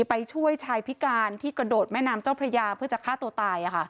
ไปช่วยชายพิการที่กระโดดแม่น้ำเจ้าพระยาเพื่อจะฆ่าตัวตาย